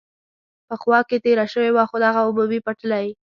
په خوا کې تېره شوې وه، دغه عمومي پټلۍ.